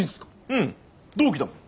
うん同期だもん。